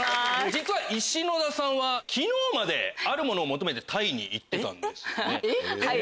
実は石野田さんは昨日まであるものを求めてタイに行ってたんですよね。